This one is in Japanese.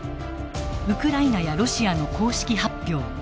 ウクライナやロシアの公式発表